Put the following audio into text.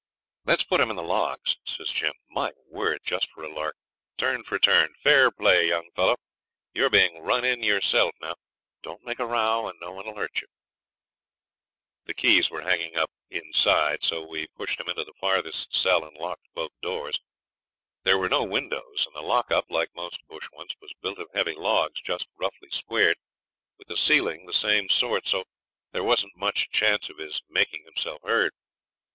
'Let's put him in the logs,' says Jim. 'My word! just for a lark; turn for turn. Fair play, young fellow. You're being "run in" yourself now. Don't make a row, and no one'll hurt you.' The keys were hanging up inside, so we pushed him into the farthest cell and locked both doors. There were no windows, and the lock up, like most bush ones, was built of heavy logs, just roughly squared, with the ceiling the same sort, so there wasn't much chance of his making himself heard.